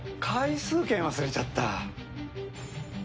回数券忘れちゃった。